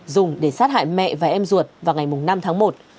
dùng để sát hại mẹ và em ruột vào ngày năm tháng một